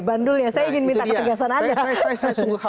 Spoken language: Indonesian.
bandulnya saya ingin minta ketegasan anda